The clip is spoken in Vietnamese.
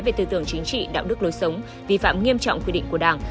về tư tưởng chính trị đạo đức lối sống vi phạm nghiêm trọng quy định của đảng